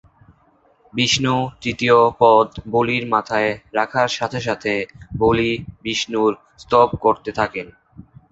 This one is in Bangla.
বিষ্ণু তৃতীয় পদ বলির মাথায় রাখার সাথে সাথে বলি বিষ্ণুর স্তব করতে থাকেন।